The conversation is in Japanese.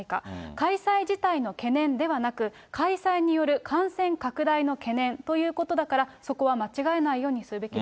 開催自体の懸念ではなく、開催による感染拡大の懸念ということだから、そこは間違いないよ